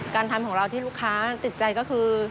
การทำของเราที่ลูกค้าติดใจก็คือ